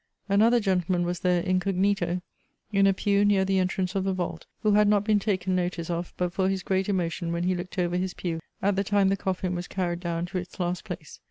Another gentleman was there incognito, in a pew near the entrance of the vault, who had not been taken notice of, but for his great emotion when he looked over his pew, at the time the coffin was carried down to its last place.